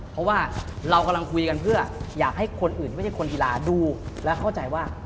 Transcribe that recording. เพราะว่าเรากำลังคุยกันเพื่ออยากให้คนอื่นไม่ใช่คนกีฬาดูและเข้าใจว่า